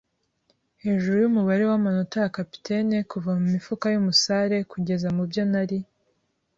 hejuru yumubare wamanota ya capitaine kuva mumifuka yumusare kugeza mubyo nari